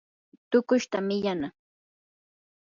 tuqushta millanaa.